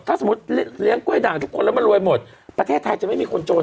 ถ้าสมมุติเลี้ยงกล้วยด่างทุกคนแล้วมันรวยหมดประเทศไทยจะไม่มีคนจน